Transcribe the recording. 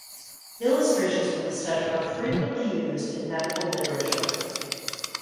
Illustrations from the study are frequently used in medical literature.